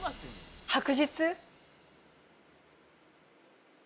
「白日」